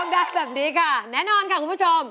แนะนานค่ะคุณผู้ชม